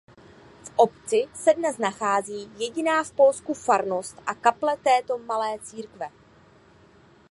V obci se dnes nachází jediná v Polsku farnost a kaple této malé církve.